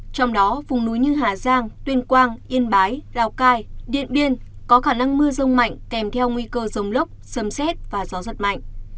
trong đó vùng núi như hà giang tuyên quang yên bái lào cai điện biên có khả năng mưa rông mạnh kèm theo nguy cơ rông lốc sấm xét và gió rất mạnh